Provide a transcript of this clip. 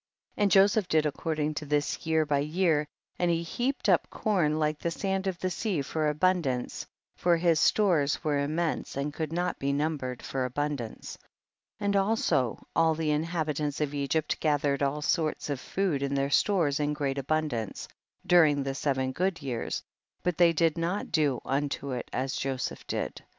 And Joseph did according to this year by year, and lie heaped up corn like the sand of the sea for abundance, for his stores were im mense and could not be numbered for abundance. 11. And also all the inhabitants of Egypt gathered all sorts of food in their stores in great abundance during the seven good years, but they did not do unto it as Joseph did. 12.